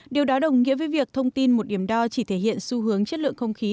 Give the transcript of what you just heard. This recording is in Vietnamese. điều đó đồng nghĩa với việc thông tin một điểm đo chỉ thể hiện xu hướng chất lượng không khí